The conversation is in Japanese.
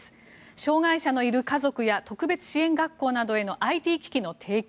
障害者のいる家族や特別支援学校などへのＩＴ機器の提供